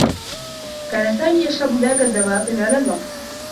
كان سامي يشرب ذاك الدّواء طوال الوقت.